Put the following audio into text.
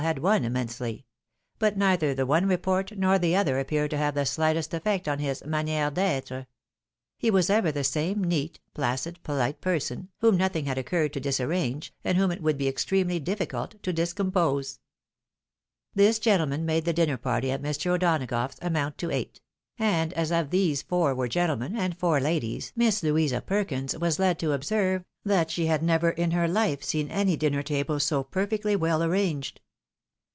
had won immensely ; but neither the one report nor the other appeared to have the slightest effect on his manihre d'etre. He was ever the same neat, placid, polite person, whom nothing had occurred to disarrange, and whom it would be extremely difficult to discompose. DAMAGES FOE INDIFFERENCE. 279 This gentleman made the dinner party at Mr. O'Dona gough's amount to eight ; and as of these four were gentlemen and four ladies, Miss Louisa Perkins was led to observe that she had never seen any dinner table so perfectly well arranged.